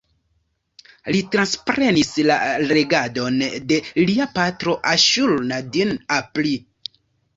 Li transprenis la regadon de lia patro Aŝur-nadin-apli.